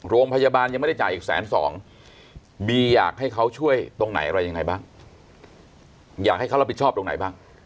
โรงพยาบาลยังไม่ได้จ่ายอีกแสนสองบีอยากให้เขาช่วยตรงไหนอะไรยังไงบ้างอยากให้เขารับผิดชอบตรงไหนบ้าง